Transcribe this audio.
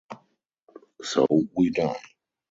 So we die.